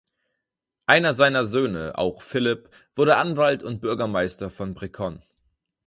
Einer seiner Söhne, auch Philip, wurde Anwalt und Bürgermeister von Brecon.